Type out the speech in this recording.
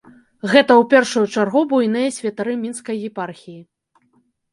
Гэта ў першую чаргу буйныя святары мінскай епархіі.